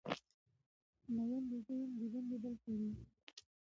مین دی زه یم دیدن دی بل کوی